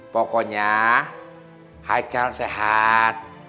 pokoknya haikel sehat